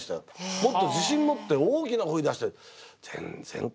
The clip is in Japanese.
もっと自信持って大きな声出して。